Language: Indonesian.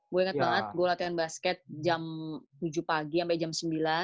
gue inget banget gue latihan basket jam tujuh pagi sampai jam sembilan